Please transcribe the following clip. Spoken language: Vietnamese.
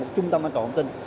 một trung tâm an toàn thông tin